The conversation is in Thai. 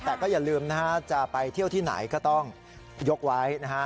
แต่ก็อย่าลืมนะฮะจะไปเที่ยวที่ไหนก็ต้องยกไว้นะฮะ